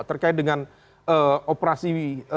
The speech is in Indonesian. terkait dengan operasi